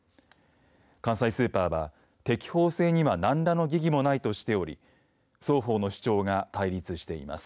関西スーパーは、適法性には何らの疑義もないとしており双方の主張が対立しています。